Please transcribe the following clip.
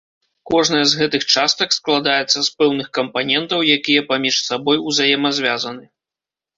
Кожная з гэтых частак складаецца з пэўных кампанентаў, якія паміж сабой узаемазвязаны.